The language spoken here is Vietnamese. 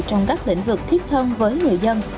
trong các lĩnh vực thiết thân với người dân